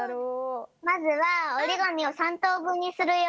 まずはおりがみを３とうぶんにするよ。